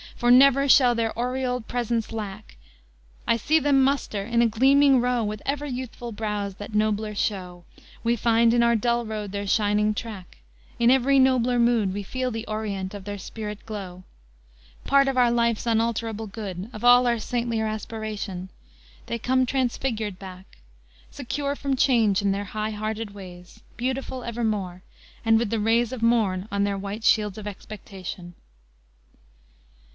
For never shall their aureoled presence lack: I see them muster in a gleaming row, With ever youthful brows that nobler show; We find in our dull road their shining track; In every nobler mood We feel the orient of their spirit glow, Part of our life's unalterable good, Of all our saintlier aspiration; They come transfigured back, Secure from change in their high hearted ways, Beautiful evermore, and with the rays Of morn on their white Shields of Expectation!